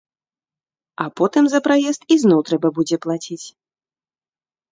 А потым за праезд ізноў трэба будзе плаціць.